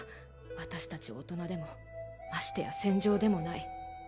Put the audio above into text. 私達大人でもましてや戦場でもない